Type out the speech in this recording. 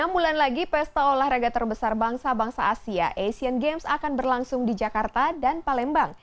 enam bulan lagi pesta olahraga terbesar bangsa bangsa asia asian games akan berlangsung di jakarta dan palembang